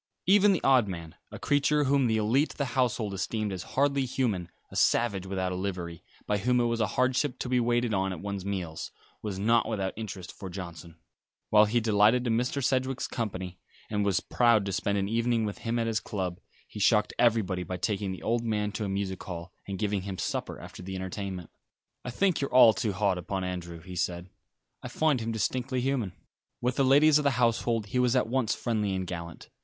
Even the odd man, a creature whom the élite of the household esteemed as hardly human a savage without a livery, by whom it was a hardship to be waited on at one's meals was not without interest for Johnson. While he delighted in Mr. Sedgewick's company, and was proud to spend an evening with him at his club, he shocked everybody by taking the old man to a music hall, and giving him supper after the entertainment. "I think you're all too hard upon Andrew," he said. "I find him distinctly human." With the ladies of the household he was at once friendly and gallant.